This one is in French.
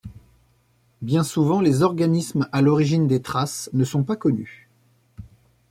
Bien souvent, les organismes à l'origine des traces ne sont pas connus.